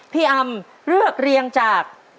อำเลือกเรียงจาก